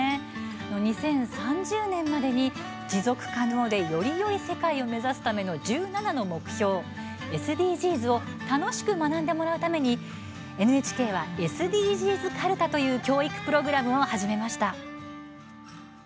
２０３０年までに持続可能でよりよい世界を目指すための１７の目標、ＳＤＧｓを楽しく学んでもらうためにＮＨＫは「ＳＤＧｓかるた」という教育プログラムを始めました。